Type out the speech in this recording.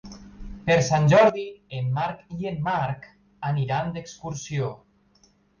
Per Sant Jordi en Marc i en Marc aniran d'excursió.